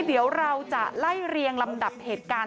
เดี๋ยวเราจะไล่เรียงลำดับเหตุการณ์